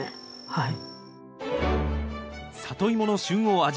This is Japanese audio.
はい。